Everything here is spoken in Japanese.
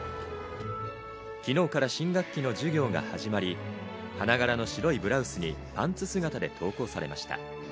昨日から新学期の授業が始まり、花柄の白いブラウスにパンツ姿で登校されました。